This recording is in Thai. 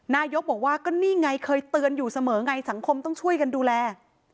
นายกบอกว่าก็นี่ไงเคยเตือนอยู่เสมอไงสังคมต้องช่วยกันดูแล